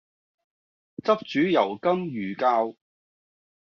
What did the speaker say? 汁煮油甘魚鮫